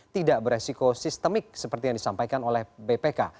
tidak beresiko sistemik seperti yang disampaikan oleh bpk